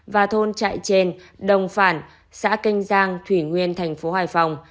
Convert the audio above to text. và thôn trại trên đồng phản xã canh giang thủy nguyên thành phố hải phòng